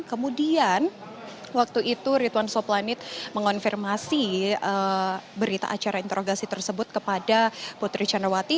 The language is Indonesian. kemudian waktu itu rituan soplanit mengonfirmasi berita acara interogasi tersebut kepada putri candrawati